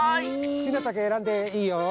すきなたけえらんでいいよ。